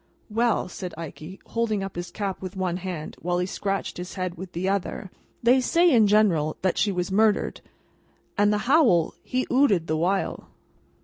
"Well!" said Ikey, holding up his cap with one hand while he scratched his head with the other, "they say, in general, that she was murdered, and the howl he 'ooted the while."